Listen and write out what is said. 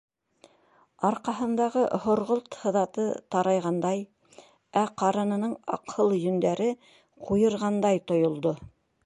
Арҡаһындағы һорғолт һыҙаты тарайғандай, ә ҡарынының аҡһыл йөндәре ҡуйырғандай тойолдо.